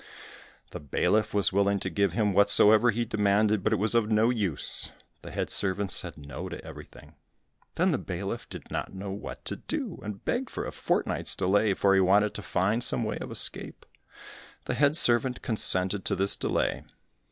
The bailiff was willing to give him whatsoever he demanded, but it was of no use, the head servant said no to everything. Then the bailiff did not know what to do, and begged for a fortnight's delay, for he wanted to find some way of escape. The head servant consented to this delay.